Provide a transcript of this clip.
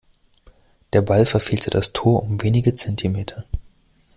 Der Ball verfehlte das Tor um wenige Zentimeter.